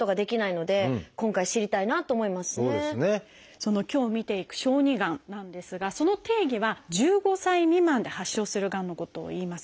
その今日見ていく「小児がん」なんですがその定義は１５歳未満で発症するがんのことをいいます。